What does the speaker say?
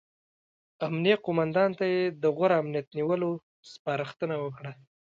امنیه قوماندان ته یې د غوره امنیت نیولو سپارښتنه وکړه.